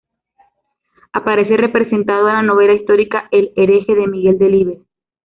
Aparece representado en la novela histórica "El hereje" de Miguel Delibes.